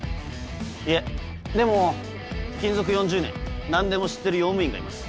いえでも勤続４０年何でも知ってる用務員がいます。